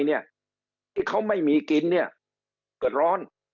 ที่เขาไม่มีกินเนี่ยเกิดร้อน